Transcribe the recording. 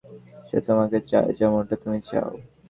সে তোমাকে চায় যেমনটা তুমি চাউ।